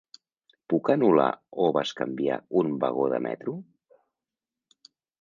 Puc anul·lar o bescanviar un vagó de metro?